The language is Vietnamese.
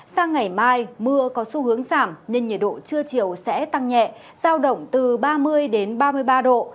sang ngày mai mưa có xu hướng giảm nên nhiệt độ trưa chiều sẽ tăng nhẹ giao động từ ba mươi đến ba mươi ba độ